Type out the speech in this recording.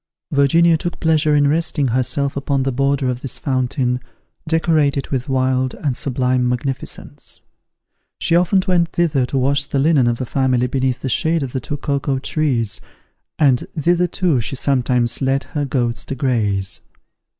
Virginia took pleasure in resting herself upon the border of this fountain, decorated with wild and sublime magnificence. She often went thither to wash the linen of the family beneath the shade of the two cocoa trees, and thither too she sometimes led her goats to graze.